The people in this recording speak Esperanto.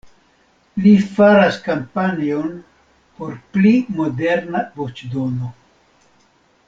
Li faras kampanjon por pli moderna voĉdono.